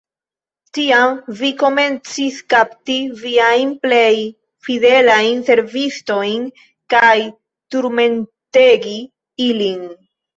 Tiam vi komencis kapti viajn plej fidelajn servistojn kaj turmentegi ilin.